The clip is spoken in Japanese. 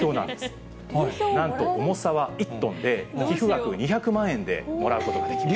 なんと重さは１トンで、寄付額２００万円でもらうことができます。